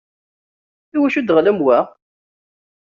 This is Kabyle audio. Iwacu ddɣel am wa?